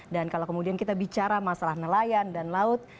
dan kalau kemudian kita bicara masalah nelayan dan laut